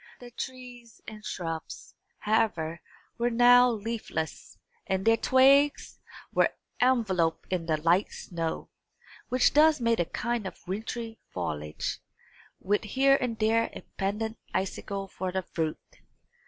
The trees and shrubs, however, were now leafless, and their twigs were enveloped in the light snow, which thus made a kind of wintry foliage, with here and there a pendent icicle for the fruit.